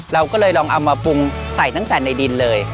เราก็เลยลองเอามาปรุงใส่ตั้งแต่ในดินเลย